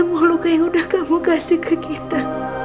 untuk menyayangi rena